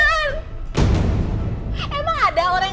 emang ada orang yang bisa mencari aku